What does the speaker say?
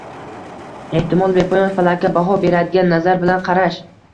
Ehtimol, bepoyon Falakka baho beradigan nazar bilan qarash